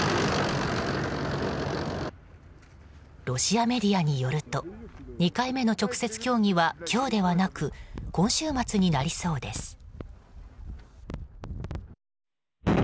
ロシアメディアによると２回目の直接協議は今日ではなく今週末になりそうです。